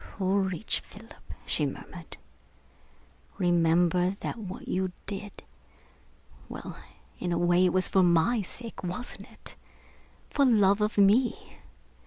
"Courage, Philip," she murmured. "Remember that what you did ... well, in a way it was for my sake, wasn't it? for love of me?